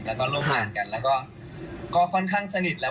แล้วก็ร่วมงานกันแล้วก็ค่อนข้างสนิทแล้ว